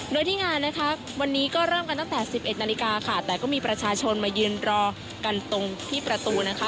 โดยที่งานนะคะวันนี้ก็เริ่มกันตั้งแต่๑๑นาฬิกาค่ะแต่ก็มีประชาชนมายืนรอกันตรงที่ประตูนะคะ